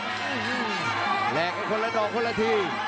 หือฮือแลกให้คนละดอกคนละทิ